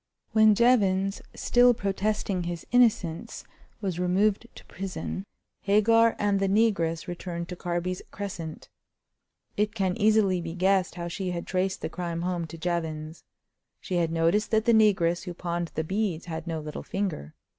When Jevons, still protesting his innocence, was removed to prison, Hagar and the negress returned to Carby's Crescent. It can easily be guessed how she had traced the crime home to Jevons. She had noticed that the negress who pawned the beads had no little finger.